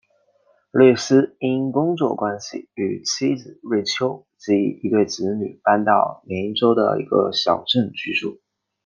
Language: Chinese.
路易斯因工作关系与妻子瑞秋及一对子女搬到缅因州的一个小镇居住。